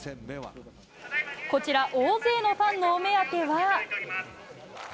こちら大勢のファンのお目当てはＪＦＬ